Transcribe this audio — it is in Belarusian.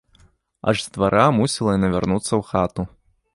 Аж з двара мусіла яна вярнуцца ў хату.